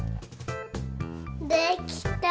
できた！